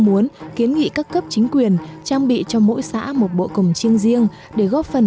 muốn kiến nghị các cấp chính quyền trang bị cho mỗi xã một bộ cồng chiêng riêng để góp phần